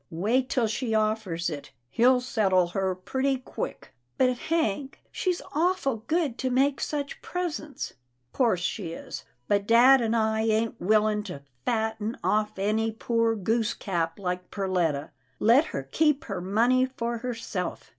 " "Wait till she offers it. He'll settle her pretty quick." " But Hank, she's awful good to make such presents." " 'Course she is, but dad and I ain't willing to fatten off any poor goose cap like Perletta. Let her keep her money for herself.